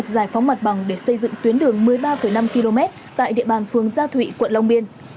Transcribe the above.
giải phóng mặt bằng để xây dựng tuyến đường một mươi ba năm km tại địa bàn phường gia thụy quận long biên